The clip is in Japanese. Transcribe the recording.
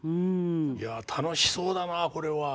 いや楽しそうだなこれは。